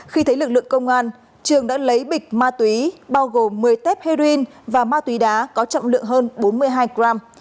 khi thấy lực lượng công an trường đã lấy bịch ma túy bao gồm một mươi tép heroin và ma túy đá có trọng lượng hơn bốn mươi hai gram